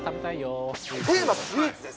テーマ、スイーツです。